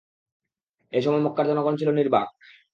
এ সময় মক্কার জনগণ ছিল নির্বাক।